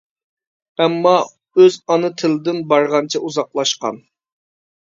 ئەمما ئۆز ئانا تىلىدىن بارغانچە ئۇزاقلاشقان.